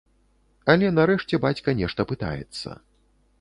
Але нарэшце бацька нешта пытаецца.